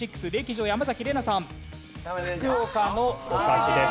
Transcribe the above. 福岡のお菓子です。